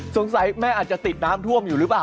สงสัยแม่อาจจะติดน้ำท่วมอยู่หรือเปล่า